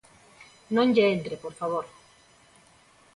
Non lle entre, por favor.